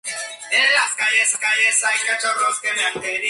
En ese entonces, había muy pocos músicos haciendo música en este idioma.